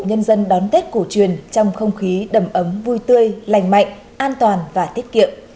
nhân dân đón tết cổ truyền trong không khí đầm ấm vui tươi lành mạnh an toàn và tiết kiệm